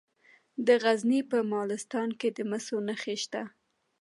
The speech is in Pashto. د غزني په مالستان کې د مسو نښې شته.